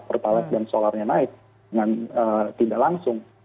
pertalite dan solarnya naik dengan tidak langsung